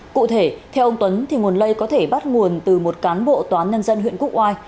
cụ thể theo ông tuấn thì nguồn lây có thể bắt nguồn từ một cán bộ tòa án nhân dân huyện quốc oai